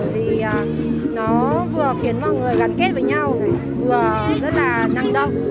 thì nó vừa khiến mọi người gắn kết với nhau vừa rất là năng động